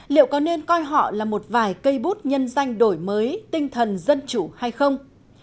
liệu có nên coi họ là một vài cây bút nhân danh đổi mới tinh thần dân chủ hay không